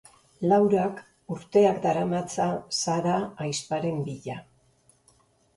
Laurak urteak daramatza Sara ahizparen bila.